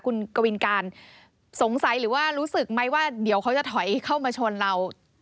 คุณกวินการสงสัยหรือว่ารู้สึกไหมว่าเดี๋ยวเขาจะถอยเข้ามาชนเรา